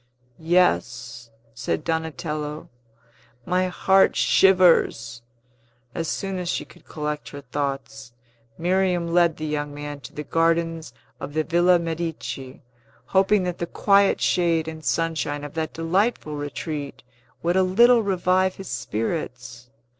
"Yes," said Donatello; "my heart shivers." As soon as she could collect her thoughts, Miriam led the young man to the gardens of the Villa Medici, hoping that the quiet shade and sunshine of that delightful retreat would a little revive his spirits.